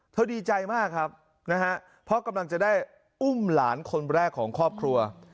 ดีใจมากครับนะฮะเพราะกำลังจะได้อุ้มหลานคนแรกของครอบครัว